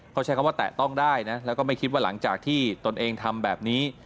เขาใช้คำว่าแตะต้องได้นะแล้วก็ไม่คิดว่าหลังจากที่ตนเองทำแบบนี้